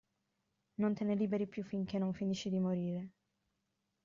Non te ne liberi più finché non finisci di morire.